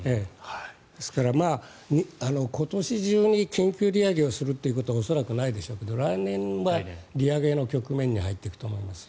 ですから今年中に緊急利上げをすることは恐らくないでしょうけど来年は利上げの局面に入っていくと思います。